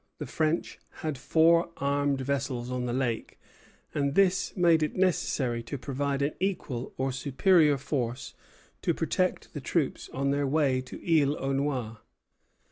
The French had four armed vessels on the lake, and this made it necessary to provide an equal or superior force to protect the troops on their way to Isle aux Noix.